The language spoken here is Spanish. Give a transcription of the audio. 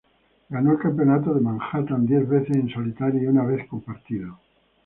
Ganó el Campeonato de Manhattan diez veces en solitario y una vez compartido.